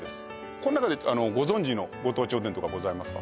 この中でご存じのご当地おでんとかございますか？